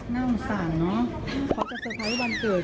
น่าอุ่นสารเนาะเค้าจะเซอร์ไพรส์วันเกิด